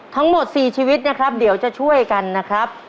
ทั้งหมด๔ชีวิตนะครับเดี๋ยวจะช่วยกันนะครับ